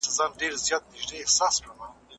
داستاني اثار زموږ د تېر وخت هنداره ده.